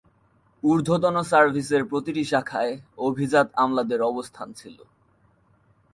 ঊর্ধ্বতন সার্ভিসের প্রতিটি শাখায় অভিজাত আমলাদের অবস্থান ছিল।